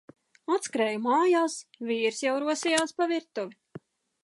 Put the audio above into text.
Atskrēju mājās, vīrs jau rosījās pa virtuvi.